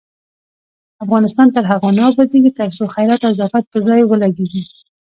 افغانستان تر هغو نه ابادیږي، ترڅو خیرات او زکات په ځای ولګیږي.